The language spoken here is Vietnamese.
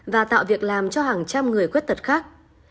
và tạo việc làm cho hàng trăm người khuyết tật khác